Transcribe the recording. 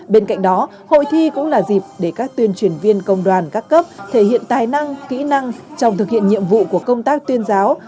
bên cạnh đó hội thi cũng là dịp để các tuyên truyền viên công đoàn các cấp thể hiện tài năng kỹ năng trong thực hiện nhiệm vụ của công tác tuyên giáo